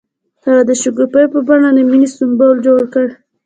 هغه د شګوفه په بڼه د مینې سمبول جوړ کړ.